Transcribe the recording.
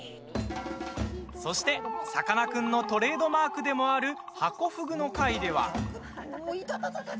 そして、さかなクンのトレードマークでもあるハコフグの回では。